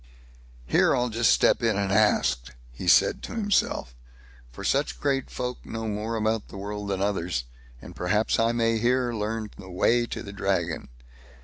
"Here I'll just step in and ask", he said to himself; "for such great folk know more about the world than others, and perhaps I may here learn the way to the Dragon."